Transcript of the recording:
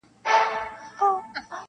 په خبره ولي نه سره پوهېږو-